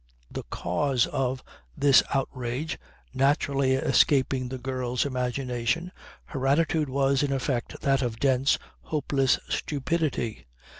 The cause of this outrage naturally escaping the girl's imagination her attitude was in effect that of dense, hopeless stupidity.